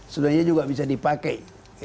sebenarnya juga bisa dipakai